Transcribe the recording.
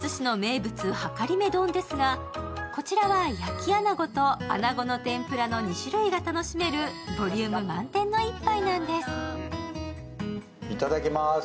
そんな富津市の名物、はかりめ丼ですが、こちらは焼きあなごとあなごの天ぷらの２種類がいただける、ボリューム満点の一杯なんです。